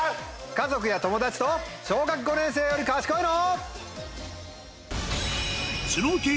家族や友達と小学５年生より賢いの？